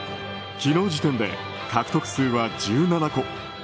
昨日時点で獲得数は１７個。